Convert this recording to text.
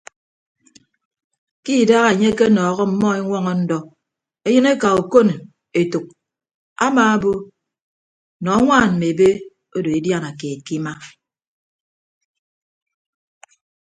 Ke idaha enye akenọọhọ ọmmọ eñwọñọ ndọ eyịneka okon etәk amaabo nọ añwaan mme ebe odo ediana keed ke ima.